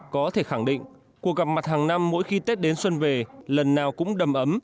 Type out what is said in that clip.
có thể khẳng định cuộc gặp mặt hàng năm mỗi khi tết đến xuân về lần nào cũng đầm ấm